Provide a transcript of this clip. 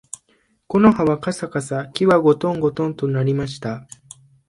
木の葉はかさかさ、木はごとんごとんと鳴りました